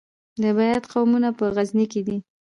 د بیات قومونه په غزني کې دي